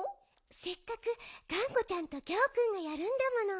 せっかくがんこちゃんとギャオくんがやるんだもの。